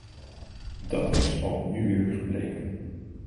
Dat is ook nu weer gebleken.